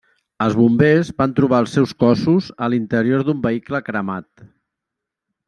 Els bombers van trobar els seus cossos a l'interior d'un vehicle cremat.